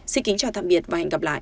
xin kính chào tạm biệt và hẹn gặp lại